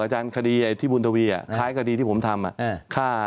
อาจารย์คดีที่บุญทวีคล้ายคดีที่ผมทำ